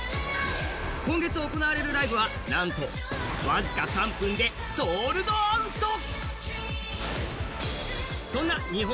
今月行われるライブは、なんと僅か３分でソールドアウト。